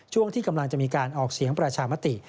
ช่วงที่กำลังจะมีการออกเสียงประชามติ